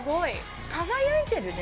輝いてるね。